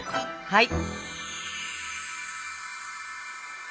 はい。